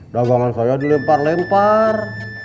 dagangan saya dilempar lempar